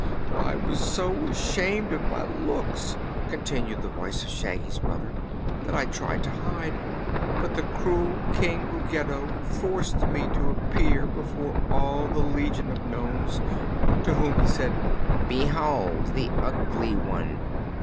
"I was so ashamed of my looks," continued the voice of Shaggy's brother, "that I tried to hide; but the cruel King Ruggedo forced me to appear before all the legion of nomes, to whom he said: 'Behold the Ugly One!'